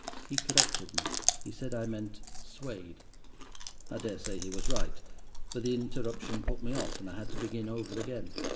He corrected me. He said I meant 'Suede.' I dare say he was right, but the interruption put me off, and I had to begin over again.